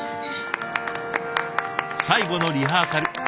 最後のリハーサル。